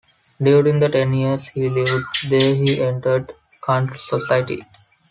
During the ten years he lived there, he entered country society.